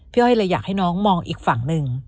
อ้อยเลยอยากให้น้องมองอีกฝั่งหนึ่ง